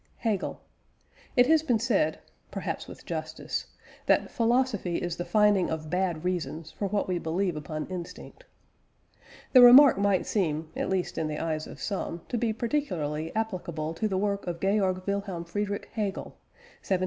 HEGEL. It has been said, perhaps with justice, that "philosophy is the finding of bad reasons for what we believe upon instinct." The remark might seem, at least in the eyes of some, to be particularly applicable to the work of Georg Wilhelm Friedrich Hegel (1770 1831).